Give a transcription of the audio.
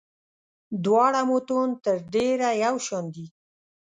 دواړه متون تر ډېره یو شان دي.